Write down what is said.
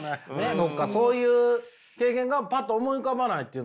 そっかそういう経験がパッと思い浮かばないっていう。